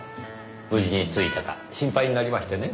無事に着いたか心配になりましてね。